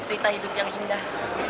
cerita hidup yang indah